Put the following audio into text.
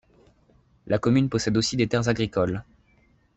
La commune possède aussi de terres agricoles.